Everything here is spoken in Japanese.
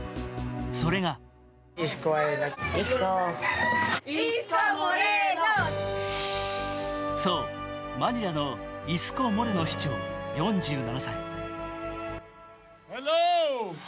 それがそう、マニラのイスコ・モレノ市長４７歳。